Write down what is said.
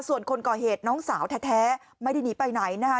ส่วนคนก่อเหตุน้องสาวแท้ไม่ได้หนีไปไหนนะคะ